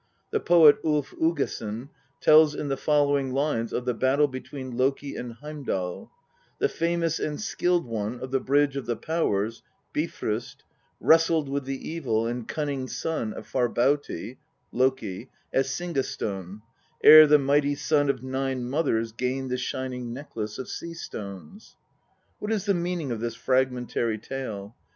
The poet Ulf Uggason tells in the following lines of the battle between Loki and Heimdal :" The famous and skilled one of the bridge of the Powers (Bifrost) wrestled with the evil and cunning son of Farbauti (Loki) at Singastone, ere the mighty son of nine mothers gained the shining necklace of sea stones." What is the meaning of this fragmentary tale